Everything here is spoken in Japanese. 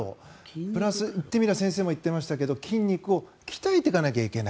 プラス、言ってみれば先生も言っていましたが筋肉を鍛えていかないといけない。